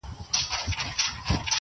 o درد لا هم هماغسې پاتې دی,